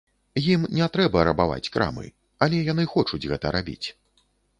Ім не трэба рабаваць крамы, але яны хочуць гэта рабіць.